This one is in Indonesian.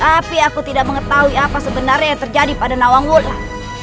tapi aku tidak mengetahui apa sebenarnya yang terjadi pada nawangula